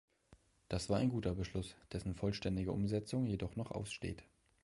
Das war ein guter Beschluss, dessen vollständige Umsetzung jedoch noch aussteht.